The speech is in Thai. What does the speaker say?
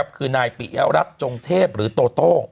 คือนายปิเอารัตท์จงเทพหรือโตโต